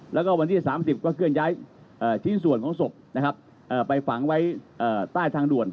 แล้วก็วันที่๓๐ก็เคลื่อนย้ายชิ้นส่วนของศพนะครับไปฝังไว้ใต้ทางด่วน